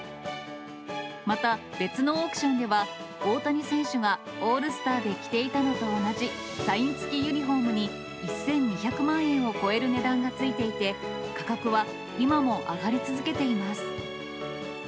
また別のオークションでは、大谷選手がオールスターで着ていたのと同じ、サイン付きユニホームに１２００万円を超える値段がついていて、価格は今も上がり続けています。